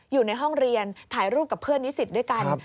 อยู่ในห้องเรียนถ่ายรูปกับเพื่อนนิสิตด้วยกัน